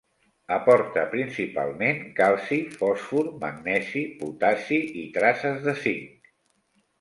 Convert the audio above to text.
Aporta principalment calci, fòsfor, magnesi, potassi i traces de zinc.